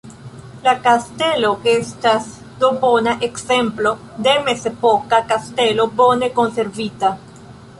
La kastelo estas do bona ekzemplo de mezepoka kastelo bone konservita.